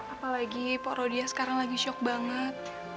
apalagi poro dia sekarang lagi shock banget